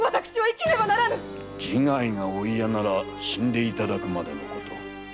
自害がお嫌なら死んでいただくまでのこと。